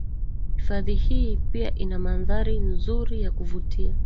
Hifadhi hii pia ina mandhari nzuri ya kuvutia